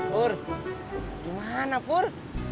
pur gimana pur